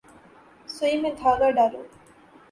سوئی میں دھاگہ ڈالو